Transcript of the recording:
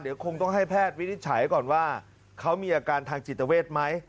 เดี๋ยวคงต้องให้แพทย์วินิจฉัยก่อนว่าเขามีอาการทางจิตเวทไหม